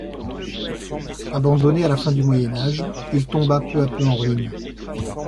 Abandonné à la fin du moyen-âge, il tomba peu à peu en ruines.